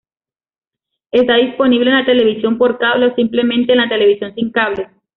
Está disponible en la televisión por cable o simplemente en la televisión sin cables.